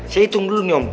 saya hitung dulu nih om